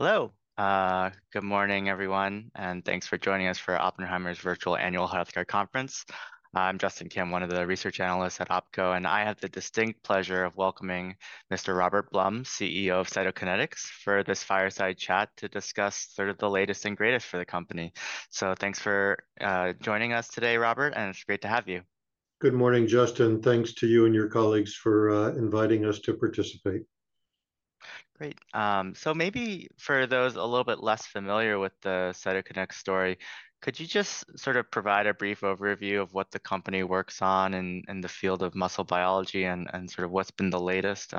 Hello, good morning, everyone, and thanks for joining us for Oppenheimer's Virtual Annual Healthcare Conference. I'm Justin Kim, one of the research analysts at Opco, and I have the distinct pleasure of welcoming Mr. Robert Blum, CEO of Cytokinetics, for this fireside chat to discuss sort of the latest and greatest for the company. So thanks for joining us today, Robert, and it's great to have you. Good morning, Justin. Thanks to you and your colleagues for inviting us to participate. Great. So maybe for those a little bit less familiar with the Cytokinetics story, could you just sort of provide a brief overview of what the company works on in the field of muscle biology and sort of what's been the latest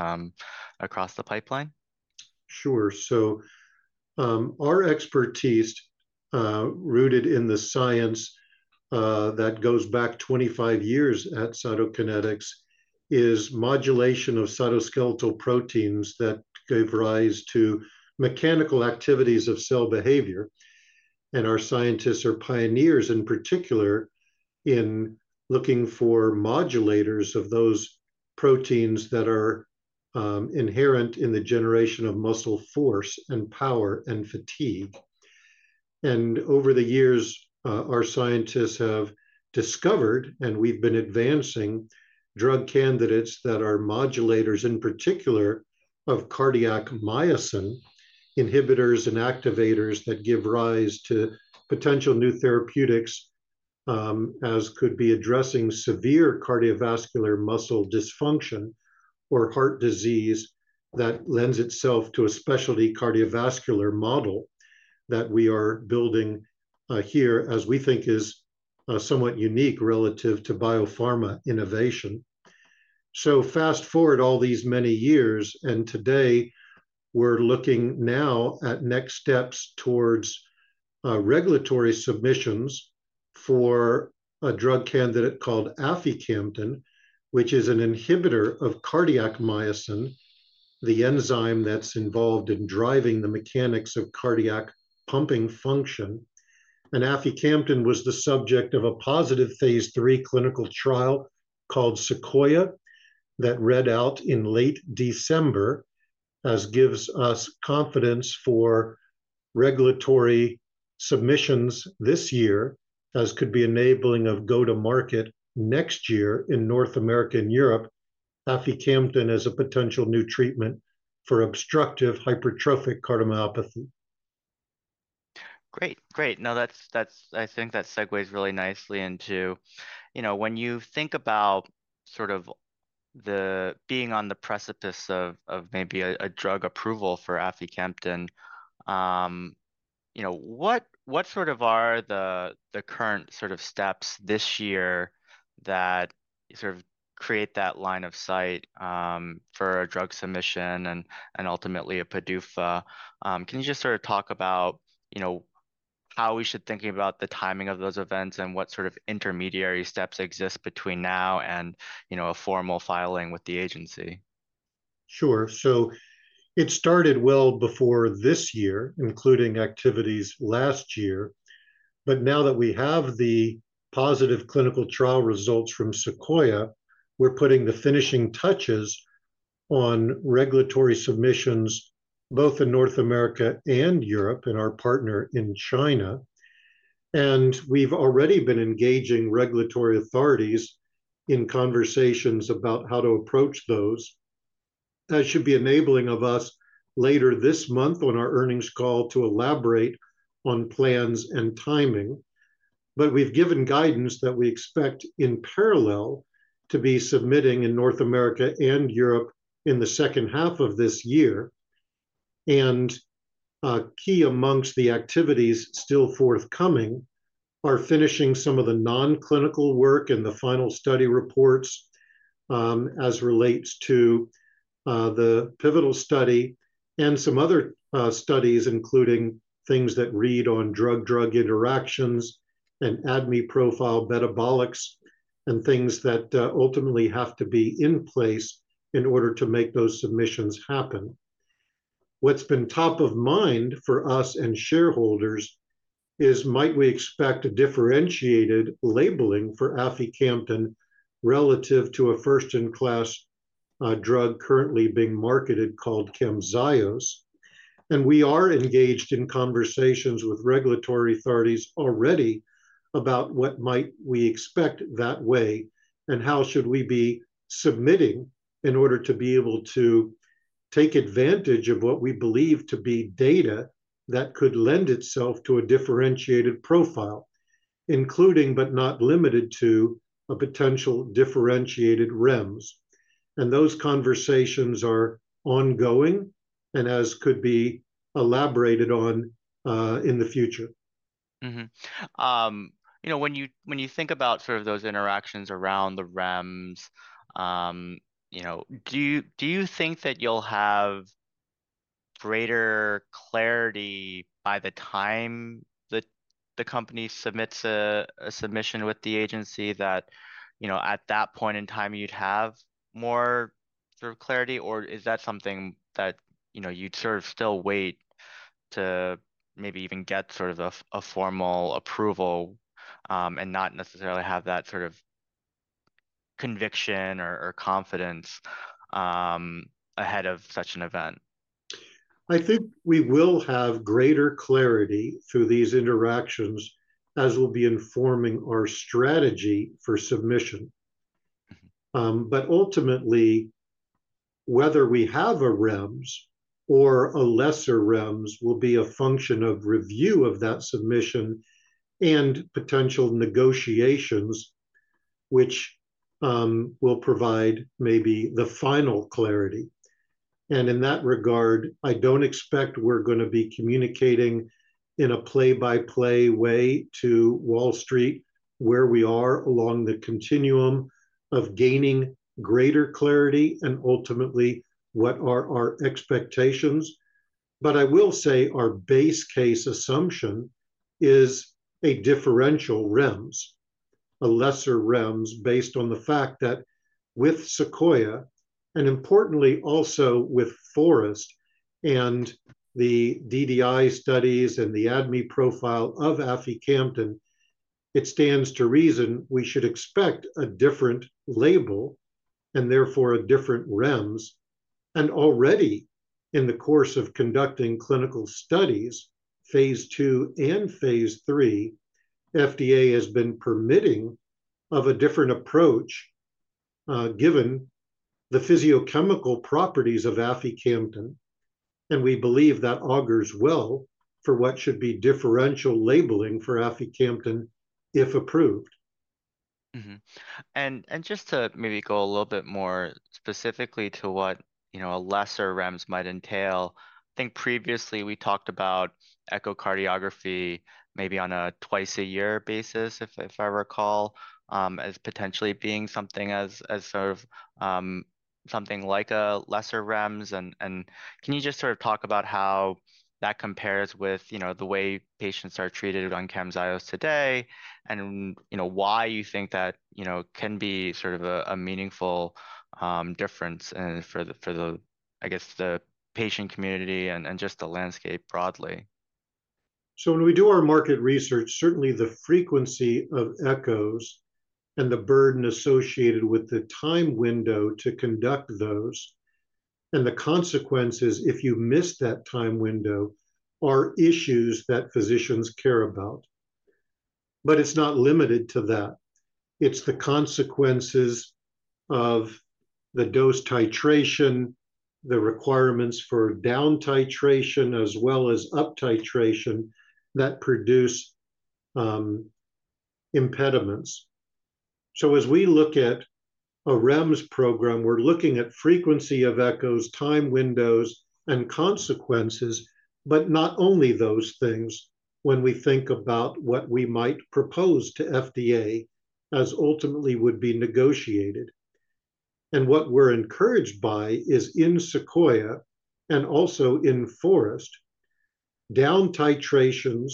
across the pipeline? Sure. So, our expertise, rooted in the science that goes back 25 years at Cytokinetics, is modulation of cytoskeletal proteins that gave rise to mechanical activities of cell behavior. And our scientists are pioneers, in particular, in looking for modulators of those proteins that are inherent in the generation of muscle force and power and fatigue. And over the years, our scientists have discovered, and we've been advancing, drug candidates that are modulators, in particular, of cardiac myosin, inhibitors and activators that give rise to potential new therapeutics, as could be addressing severe cardiovascular muscle dysfunction or heart disease that lends itself to a specialty cardiovascular model that we are building here as we think is somewhat unique relative to biopharma innovation. So fast forward all these many years, and today we're looking now at next steps towards regulatory submissions for a drug candidate called aficamten, which is an inhibitor of cardiac myosin, the enzyme that's involved in driving the mechanics of cardiac pumping function. And aficamten was the subject of a positive phase III clinical trial called SEQUOIA that read out in late December, as gives us confidence for regulatory submissions this year, as could be enabling of go-to-market next year in North America and Europe, aficamten as a potential new treatment for obstructive hypertrophic cardiomyopathy. Great, great. No, that's. I think that segues really nicely into, you know, when you think about sort of the being on the precipice of maybe a drug approval for aficamten, you know, what sort of are the current sort of steps this year that sort of create that line of sight for a drug submission and ultimately a PDUFA? Can you just sort of talk about, you know, how we should be thinking about the timing of those events and what sort of intermediary steps exist between now and, you know, a formal filing with the agency? Sure. So it started well before this year, including activities last year. But now that we have the positive clinical trial results from SEQUOIA, we're putting the finishing touches on regulatory submissions both in North America and Europe and our partner in China. And we've already been engaging regulatory authorities in conversations about how to approach those, as should be enabling of us later this month on our earnings call to elaborate on plans and timing. But we've given guidance that we expect in parallel to be submitting in North America and Europe in the second half of this year. Key amongst the activities still forthcoming are finishing some of the non-clinical work and the final study reports, as relates to the pivotal study and some other studies, including things that read on drug-drug interactions and ADME profile metabolics and things that ultimately have to be in place in order to make those submissions happen. What's been top of mind for us and shareholders is, might we expect a differentiated labeling for aficamten relative to a first-in-class drug currently being marketed called Camzyos. We are engaged in conversations with regulatory authorities already about what might we expect that way and how should we be submitting in order to be able to take advantage of what we believe to be data that could lend itself to a differentiated profile, including but not limited to a potential differentiated REMS. Those conversations are ongoing and, as could be elaborated on, in the future. Mm-hmm. You know, when you think about sort of those interactions around the REMS, you know, do you think that you'll have greater clarity by the time that the company submits a submission with the agency that, you know, at that point in time you'd have more sort of clarity, or is that something that, you know, you'd sort of still wait to maybe even get sort of a formal approval, and not necessarily have that sort of conviction or confidence ahead of such an event? I think we will have greater clarity through these interactions, as we'll be informing our strategy for submission. But ultimately, whether we have a REMS or a lesser REMS will be a function of review of that submission and potential negotiations, which will provide maybe the final clarity. And in that regard, I don't expect we're going to be communicating in a play-by-play way to Wall Street where we are along the continuum of gaining greater clarity and ultimately what are our expectations. But I will say our base case assumption is a differential REMS, a lesser REMS, based on the fact that with SEQUOIA and importantly also with FOREST and the DDI studies and the ADME profile of aficamten, it stands to reason we should expect a different label and therefore a different REMS. And already in the course of conducting clinical studies, phase two and phase three, the FDA has been permitting a different approach, given the physicochemical properties of aficamten. We believe that augurs well for what should be differential labeling for aficamten if approved. Mm-hmm. And just to maybe go a little bit more specifically to what, you know, a lesser REMS might entail: I think previously we talked about echocardiography maybe on a twice-a-year basis, if I recall, as potentially being something as sort of, something like a lesser REMS. And can you just sort of talk about how that compares with, you know, the way patients are treated on Camzyos today and, you know, why you think that, you know, can be sort of a meaningful difference and for the, I guess, the patient community and just the landscape broadly? So when we do our market research, certainly the frequency of echoes and the burden associated with the time window to conduct those and the consequences, if you miss that time window, are issues that physicians care about. But it's not limited to that. It's the consequences of the dose titration, the requirements for down titration as well as up titration that produce impediments. So as we look at a REMS program, we're looking at frequency of echoes, time windows, and consequences, but not only those things, when we think about what we might propose to the FDA as ultimately would be negotiated. And what we're encouraged by is, in SEQUOIA and also in FOREST, down titrations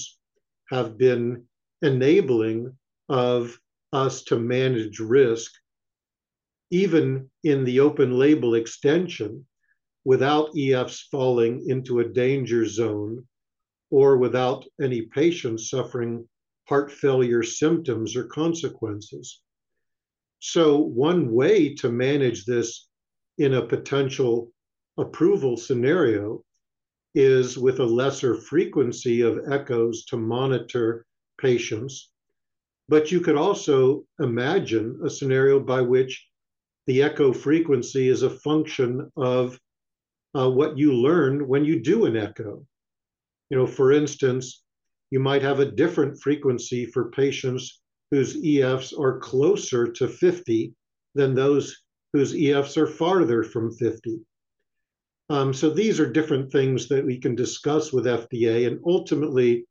have been an enabling of us to manage risk even in the open-label extension without EFs falling into a danger zone or without any patients suffering heart failure symptoms or consequences. So one way to manage this in a potential approval scenario is with a lesser frequency of echoes to monitor patients. But you could also imagine a scenario by which the echo frequency is a function of, what you learn when you do an echo. You know, for instance, you might have a different frequency for patients whose EFs are closer to 50 than those whose EFs are farther from 50. So these are different things that we can discuss with the FDA. And ultimately,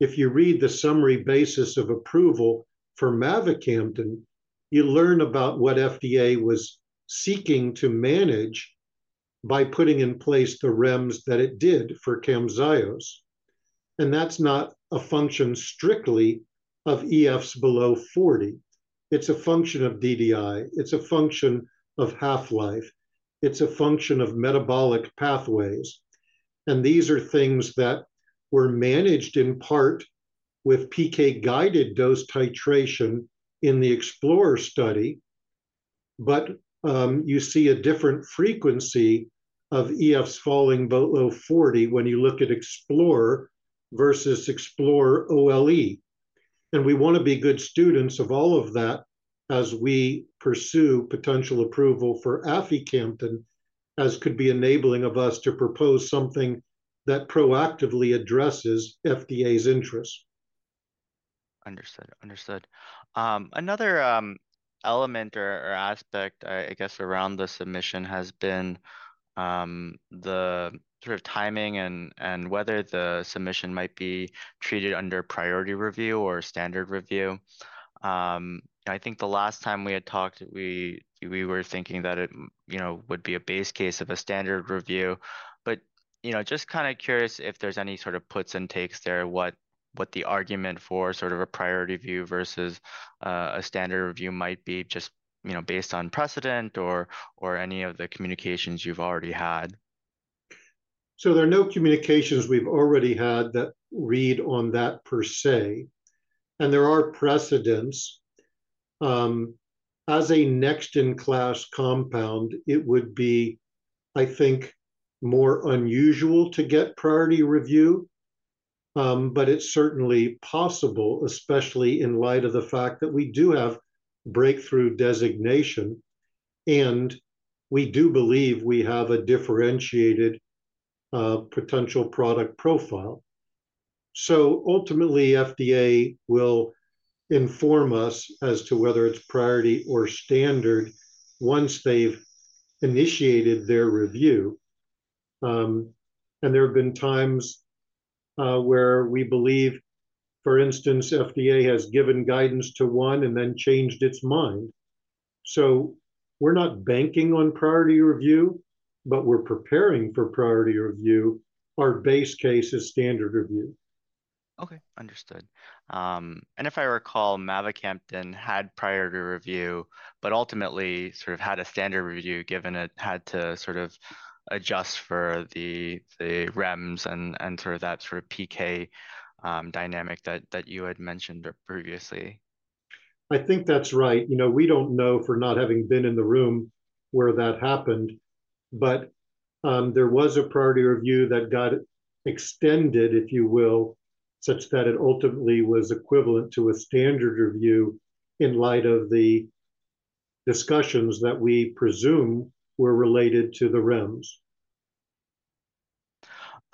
if you read the summary basis of approval for mavacamten, you learn about what the FDA was seeking to manage by putting in place the REMS that it did for Camzyos. And that's not a function strictly of EFs below 40. It's a function of DDI. It's a function of half-life. It's a function of metabolic pathways. These are things that were managed in part with PK-guided dose titration in the EXPLORER study. You see a different frequency of EFs falling below 40 when you look at EXPLORE versus EXPLORE OLE. We want to be good students of all of that as we pursue potential approval for aficamten, as could be enabling of us to propose something that proactively addresses the FDA's interests. Understood, understood. Another element or aspect, I guess, around the submission has been the sort of timing and whether the submission might be treated under priority review or standard review. I think the last time we had talked, we were thinking that it, you know, would be a base case of a standard review. But, you know, just kind of curious if there's any sort of puts and takes there, what the argument for sort of a priority review versus a standard review might be, just, you know, based on precedent or any of the communications you've already had. So there are no communications we've already had that read on that per se. There are precedents. As a next-in-class compound, it would be, I think, more unusual to get priority review. But it's certainly possible, especially in light of the fact that we do have breakthrough designation and we do believe we have a differentiated, potential product profile. So ultimately, the FDA will inform us as to whether it's priority or standard once they've initiated their review. There have been times, where we believe, for instance, the FDA has given guidance to one and then changed its mind. So we're not banking on priority review, but we're preparing for priority review. Our base case is standard review. Okay, understood. And if I recall, mavacamten had priority review but ultimately sort of had a standard review given it had to sort of adjust for the REMS and sort of that sort of PK dynamic that you had mentioned previously. I think that's right. You know, we don't know for not having been in the room where that happened. But, there was a priority review that got extended, if you will, such that it ultimately was equivalent to a standard review in light of the discussions that we presume were related to the REMS.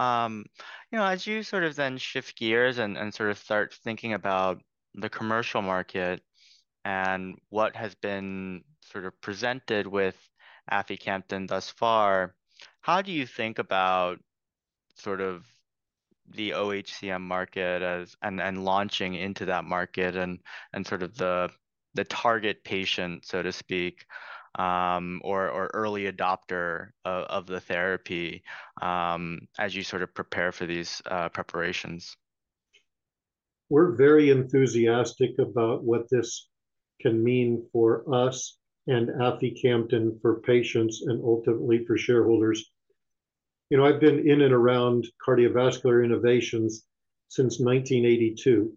You know, as you sort of then shift gears and sort of start thinking about the commercial market and what has been sort of presented with aficamten thus far, how do you think about sort of the oHCM market and launching into that market and sort of the target patient, so to speak, or early adopter of the therapy, as you sort of prepare for these preparations? We're very enthusiastic about what this can mean for us and aficamten for patients and ultimately for shareholders. You know, I've been in and around cardiovascular innovations since 1982,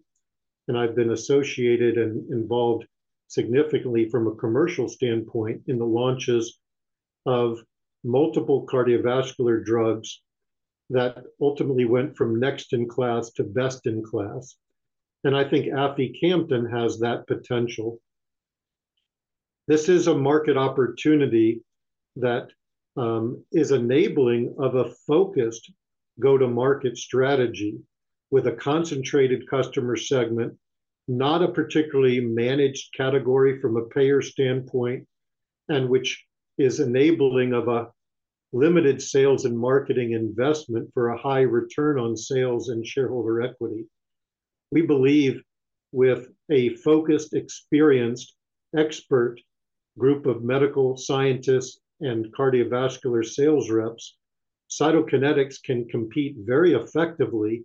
and I've been associated and involved significantly from a commercial standpoint in the launches of multiple cardiovascular drugs that ultimately went from next-in-class to best-in-class. I think aficamten has that potential. This is a market opportunity that is enabling of a focused go-to-market strategy with a concentrated customer segment, not a particularly managed category from a payer standpoint, and which is enabling of a limited sales and marketing investment for a high return on sales and shareholder equity. We believe with a focused, experienced expert group of medical scientists and cardiovascular sales reps, Cytokinetics can compete very effectively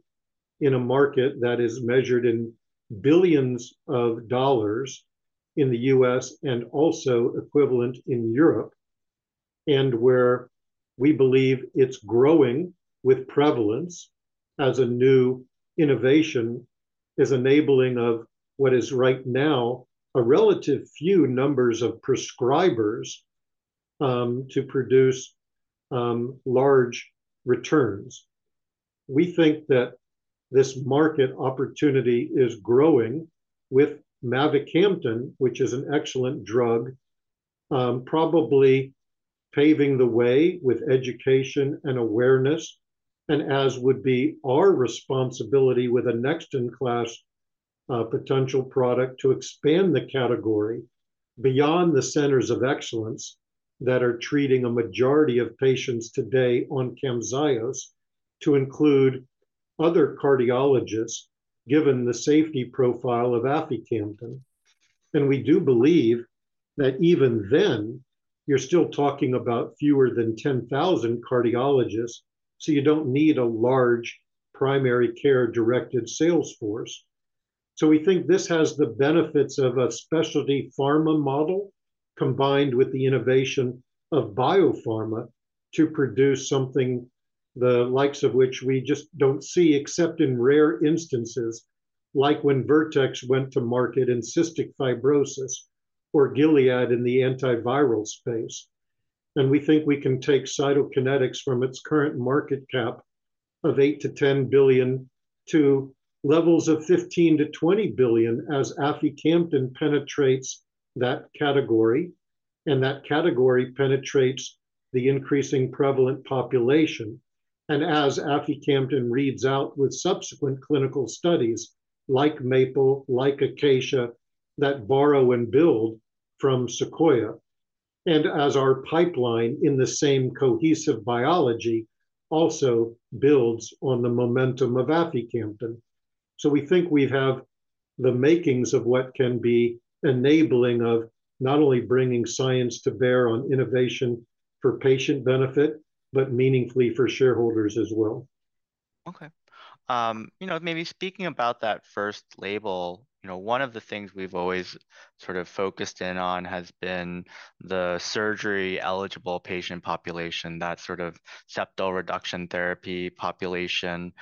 in a market that is measured in billions of dollars in the U.S. and also equivalent in Europe, and where we believe it's growing with prevalence as a new innovation, is enabling of what is right now a relative few numbers of prescribers, to produce, large returns. We think that this market opportunity is growing with mavacamten, which is an excellent drug, probably paving the way with education and awareness. And as would be our responsibility with a next-in-class, potential product to expand the category beyond the centers of excellence that are treating a majority of patients today on Camzyos to include other cardiologists given the safety profile of aficamten. We do believe that even then, you're still talking about fewer than 10,000 cardiologists, so you don't need a large primary care directed sales force. So we think this has the benefits of a specialty pharma model combined with the innovation of biopharma to produce something the likes of which we just don't see except in rare instances, like when Vertex went to market in cystic fibrosis or Gilead in the antiviral space. We think we can take Cytokinetics from its current market cap of $8 billion-$10 billion to levels of $15 billion-$20 billion as aficamten penetrates that category, and that category penetrates the increasing prevalent population. And as aficamten reads out with subsequent clinical studies like MAPLE, like ACACIA, that borrow and build from SEQUOIA, and as our pipeline in the same cohesive biology also builds on the momentum of aficamten. We think we have the makings of what can be enabling of not only bringing science to bear on innovation for patient benefit, but meaningfully for shareholders as well. Okay. You know, maybe speaking about that first label, you know, one of the things we've always sort of focused in on has been the surgery-eligible patient population, that sort of septal reduction therapy population,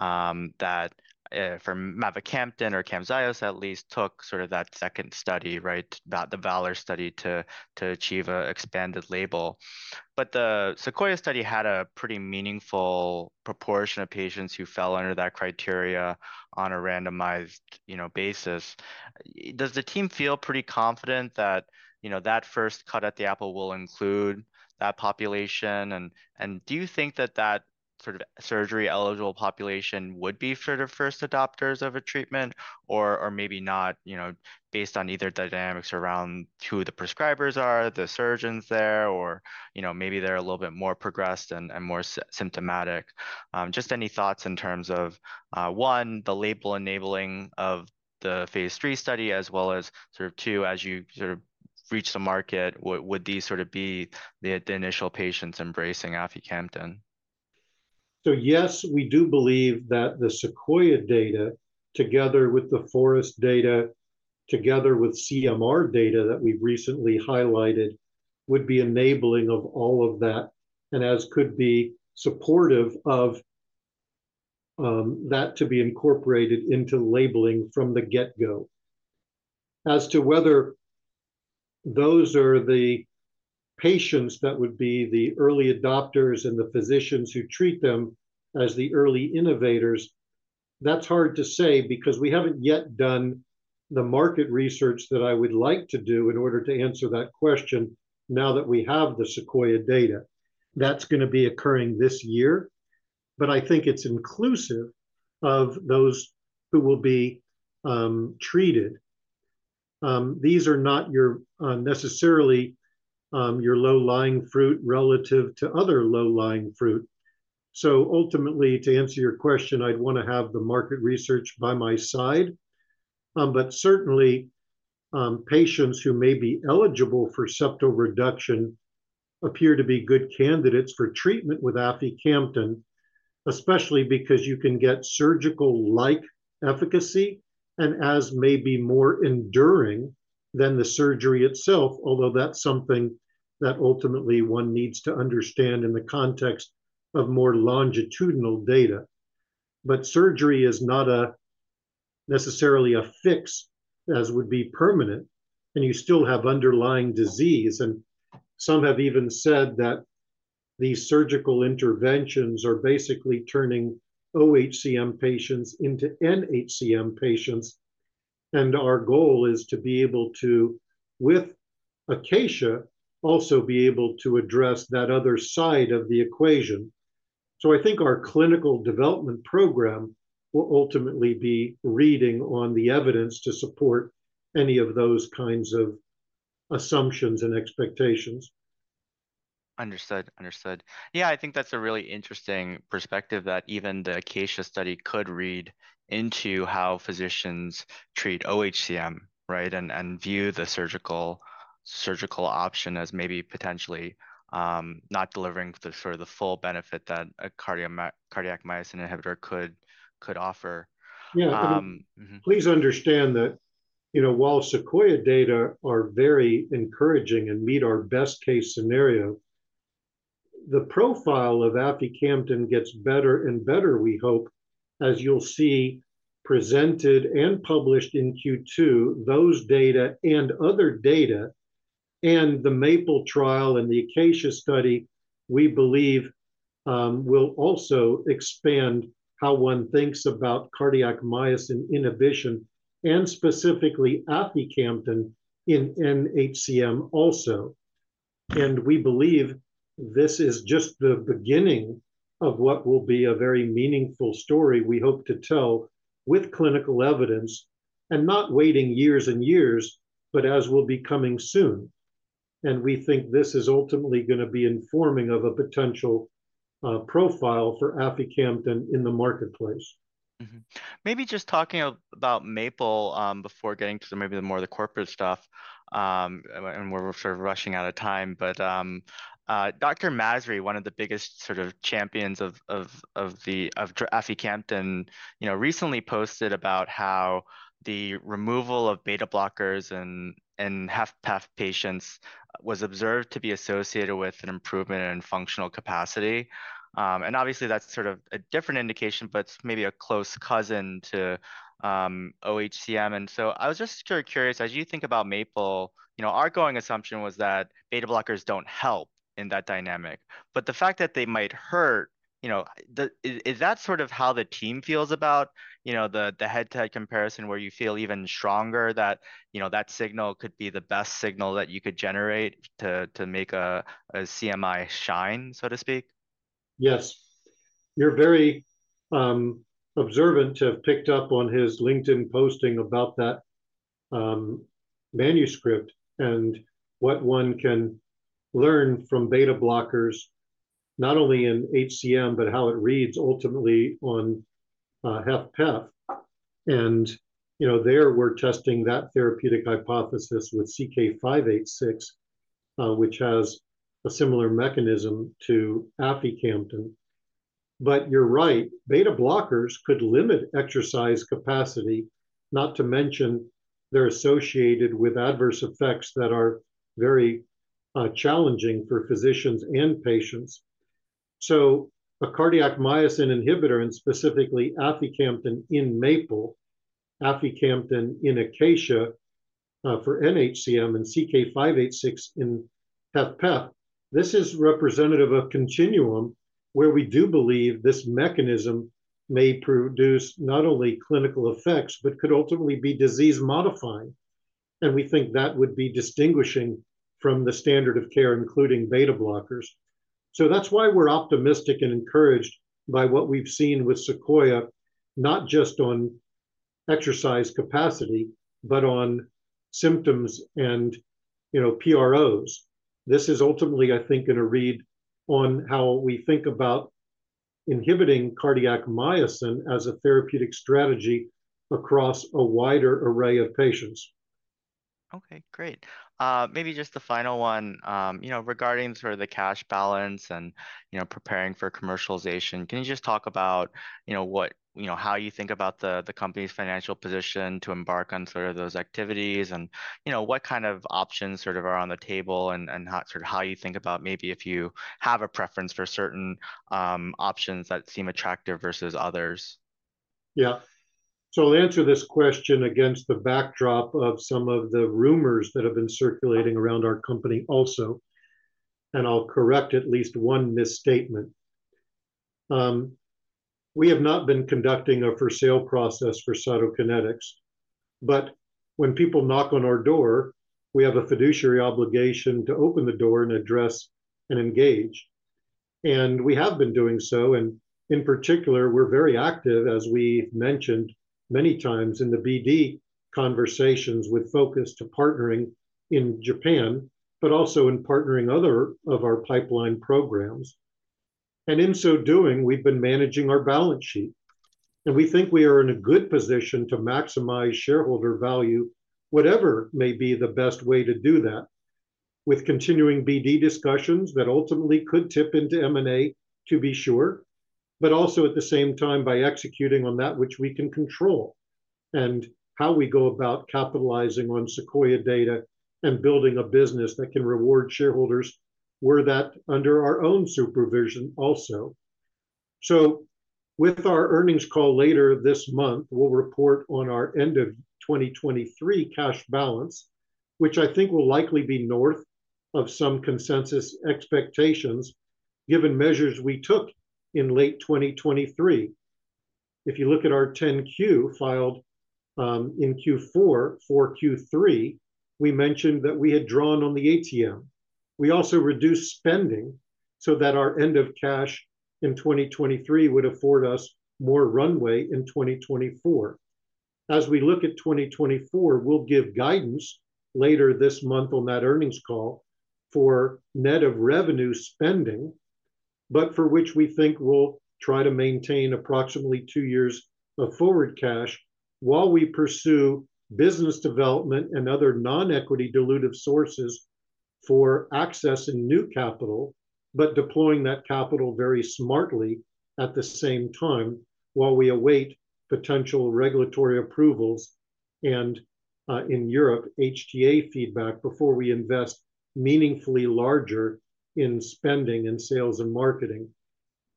that, for mavacamten or Camzyos at least, took sort of that second study, right, about the VALOR study to achieve an expanded label. But the SEQUOIA study had a pretty meaningful proportion of patients who fell under that criteria on a randomized, you know, basis. Does the team feel pretty confident that, you know, that first cut at the apple will include that population? Do you think that sort of surgery-eligible population would be sort of first adopters of a treatment, or maybe not, you know, based on either dynamics around who the prescribers are, the surgeons there, or, you know, maybe they're a little bit more progressed and more symptomatic? Just any thoughts in terms of, one, the label enabling of the phase III study, as well as sort of two, as you sort of reach the market, would these sort of be the initial patients embracing aficamten? So yes, we do believe that the SEQUOIA data, together with the FOREST data, together with CMR data that we've recently highlighted, would be enabling of all of that and as could be supportive of, that to be incorporated into labeling from the get-go. As to whether those are the patients that would be the early adopters and the physicians who treat them as the early innovators, that's hard to say because we haven't yet done the market research that I would like to do in order to answer that question now that we have the SEQUOIA data. That's going to be occurring this year. But I think it's inclusive of those who will be, treated. These are not your, necessarily, your low-lying fruit relative to other low-lying fruit. So ultimately, to answer your question, I'd want to have the market research by my side. But certainly, patients who may be eligible for septal reduction appear to be good candidates for treatment with aficamten, especially because you can get surgical-like efficacy and as maybe more enduring than the surgery itself, although that's something that ultimately one needs to understand in the context of more longitudinal data. Surgery is not necessarily a fix as would be permanent, and you still have underlying disease. And some have even said that these surgical interventions are basically turning oHCM patients into nHCM patients. And our goal is to be able to, with ACACIA, also be able to address that other side of the equation. So I think our clinical development program will ultimately be reading on the evidence to support any of those kinds of assumptions and expectations. Understood, understood. Yeah, I think that's a really interesting perspective that even the ACACIA study could read into how physicians treat oHCM, right, and view the surgical option as maybe potentially not delivering the sort of full benefit that a cardiac myosin inhibitor could offer. Yeah, please understand that, you know, while SEQUOIA data are very encouraging and meet our best case scenario, the profile of aficamten gets better and better, we hope, as you'll see presented and published in Q2, those data and other data and the MAPLE trial and the ACACIA study, we believe, will also expand how one thinks about cardiac myosin inhibition and specifically aficamten in nHCM also. And we believe this is just the beginning of what will be a very meaningful story we hope to tell with clinical evidence and not waiting years and years, but as will be coming soon. And we think this is ultimately going to be informing of a potential, profile for aficamten in the marketplace. Maybe just talking about MAPLE, before getting to maybe the more the corporate stuff, and we're sort of rushing out of time. But, Dr. Masri, one of the biggest sort of champions of aficamten, you know, recently posted about how the removal of beta blockers and HFpEF patients was observed to be associated with an improvement in functional capacity. And obviously that's sort of a different indication, but it's maybe a close cousin to oHCM. And so I was just curious, as you think about MAPLE, you know, our going assumption was that beta blockers don't help in that dynamic. But the fact that they might hurt, you know, is that sort of how the team feels about, you know, the head-to-head comparison where you feel even stronger that, you know, that signal could be the best signal that you could generate to make a CMI shine, so to speak? Yes. You're very observant to have picked up on his LinkedIn posting about that manuscript and what o ne can learn from beta blockers, not only in HCM, but how it reads ultimately on HFpEF. And, you know, there we're testing that therapeutic hypothesis with CK-586, which has a similar mechanism to aficamten. But you're right, beta blockers could limit exercise capacity, not to mention they're associated with adverse effects that are very challenging for physicians and patients. So a cardiac myosin inhibitor, and specifically aficamten in MAPLE, aficamten in ACACIA, for nHCM and CK-586 in HFpEF, this is representative of a continuum where we do believe this mechanism may produce not only clinical effects, but could ultimately be disease-modifying. And we think that would be distinguishing from the standard of care, including beta blockers. So that's why we're optimistic and encouraged by what we've seen with SEQUOIA, not just on exercise capacity, but on symptoms and, you know, PROs. This is ultimately, I think, going to read on how we think about inhibiting cardiac myosin as a therapeutic strategy across a wider array of patients. Okay, great. Maybe just the final one, you know, regarding sort of the cash balance and, you know, preparing for commercialization, can you just talk about, you know, what, you know, how you think about the company's financial position to embark on sort of those activities and, you know, what kind of options sort of are on the table and not sort of how you think about maybe if you have a preference for certain options that seem attractive versus others? Yeah. So I'll answer this question against the backdrop of some of the rumors that have been circulating around our company also. And I'll correct at least one misstatement. We have not been conducting a for-sale process for Cytokinetics. But when people knock on our door, we have a fiduciary obligation to open the door and address and engage. And we have been doing so. And in particular, we're very active, as we've mentioned many times in the BD conversations, with focus to partnering in Japan, but also in partnering other of our pipeline programs. And in so doing, we've been managing our balance sheet. We think we are in a good position to maximize shareholder value, whatever may be the best way to do that, with continuing BD discussions that ultimately could tip into M&A, to be sure, but also at the same time by executing on that which we can control, and how we go about capitalizing on SEQUOIA data and building a business that can reward shareholders where that under our own supervision also. With our earnings call later this month, we'll report on our end of 2023 cash balance, which I think will likely be north of some consensus expectations, given measures we took in late 2023. If you look at our 10-Q filed, in Q4 for Q3, we mentioned that we had drawn on the ATM. We also reduced spending so that our end of cash in 2023 would afford us more runway in 2024. As we look at 2024, we'll give guidance later this month on that earnings call for net of revenue spending, but for which we think we'll try to maintain approximately two years of forward cash while we pursue business development and other non-equity dilutive sources for access and new capital, but deploying that capital very smartly at the same time while we await potential regulatory approvals and, in Europe, HTA feedback before we invest meaningfully larger in spending and sales and marketing.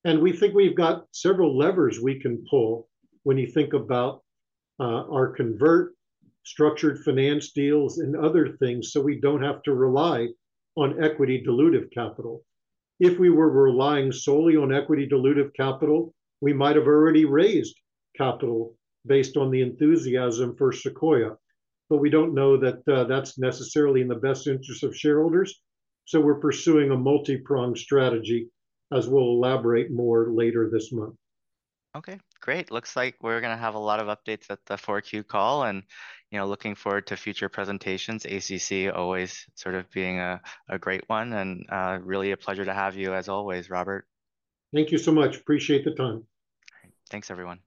We think we've got several levers we can pull when you think about our convert structured finance deals and other things so we don't have to rely on equity dilutive capital. If we were relying solely on equity dilutive capital, we might have already raised capital based on the enthusiasm for SEQUOIA. But we don't know that that's necessarily in the best interests of shareholders. We're pursuing a multi-pronged strategy, as we'll elaborate more later this month. Okay, great. Looks like we're going to have a lot of updates at the 4Q call and, you know, looking forward to future presentations. ACC always sort of being a great one and, really a pleasure to have you as always, Robert. Thank you so much. Appreciate the time. Thanks everyone.